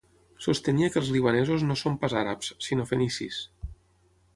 Sostenia que els libanesos no són pas àrabs, sinó fenicis.